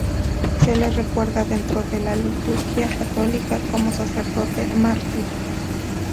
Se le recuerda dentro de la liturgia católica como sacerdote mártir.